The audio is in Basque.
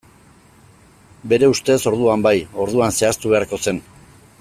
Bere ustez, orduan bai, orduan zehaztu beharko zen.